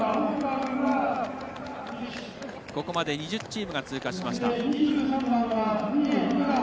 ここまで２０チームが通過しました。